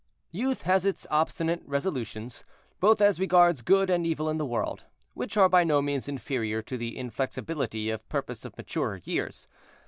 Youth has its obstinate resolutions, both as regards good and evil in the world, which are by no means inferior to the inflexibility of purpose of maturer years.